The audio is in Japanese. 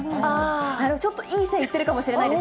ちょっといい線いってるかもしれないです。